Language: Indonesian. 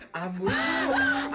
jangan bikin mak mau